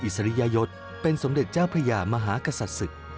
สริยยศเป็นสมเด็จเจ้าพระยามหากษัตริย์ศึก